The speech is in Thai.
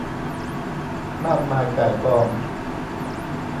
มากมายก่ายกอง